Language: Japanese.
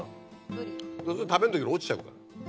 どうせ食べる時に落ちちゃうから。